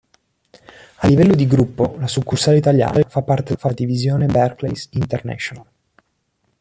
A livello di Gruppo, la Succursale italiana fa parte della Divisione Barclays International.